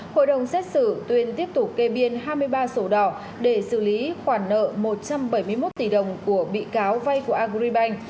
hội đồng xét xử tuyên tiếp tục kê biên hai mươi ba sổ đỏ để xử lý khoản nợ một trăm bảy mươi một tỷ đồng của bị cáo vay của agribank